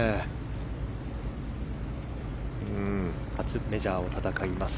初メジャーを戦います。